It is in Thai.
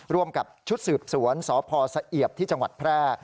ร่วมกับชุดสืบสวนสพสะเอียบที่จังหวัดแพร่